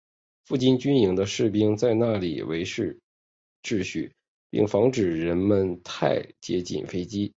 附近军营的士兵在那里维持秩序并防止人们太接近飞机。